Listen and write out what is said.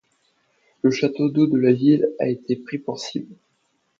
Le château d'eau de la ville a été pris pour cible.